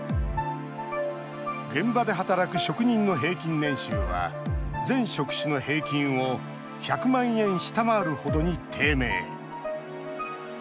現場で働く職人の平均年収は全職種の平均を１００万円下回る程に低迷。